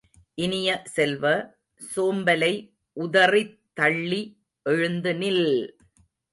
இனிய செல்வ, சோம்பலை உதறித் தள்ளி எழுந்து நில்!